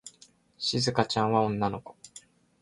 しずかちゃんは女の子。